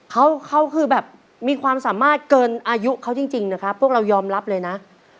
เขาเขาคือแบบมีความสามารถเกินอายุเขาจริงนะครับพวกเรายอมรับเลยนะ